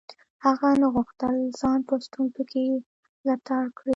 هغه نه غوښتل ځان په ستونزو کې لتاړ کړي.